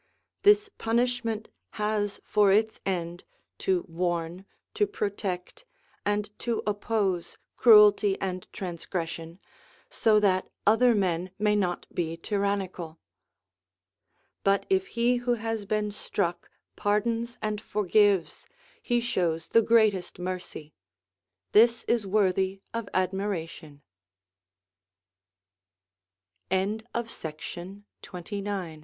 This punish ment has for its end to warn, to protect, and to oppose cruelty and transgression, so that other men may not be tyrannical. But if he who has been struck pardons and for gives, he shows the greatest mercy. This is worth